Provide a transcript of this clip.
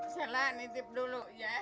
salah nitip dulu ya